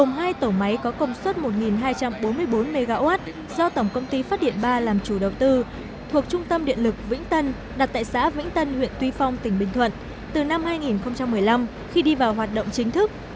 nhà máy nhiệt điện vĩnh tân ii gồm hai tổ máy có công suất một hai trăm bốn mươi bốn mw do tổng công ty phát điện ba làm chủ đầu tư thuộc trung tâm điện lực vĩnh tân đặt tại xã vĩnh tân huyện tuy phong tỉnh bình thuận từ năm hai nghìn một mươi năm khi đi vào hoạt động chính thức